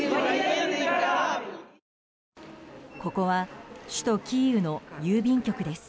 ここは首都キーウの郵便局です。